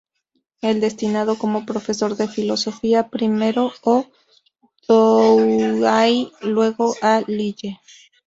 Es destinado como profesor de Filosofía primero a Douai y luego a Lille.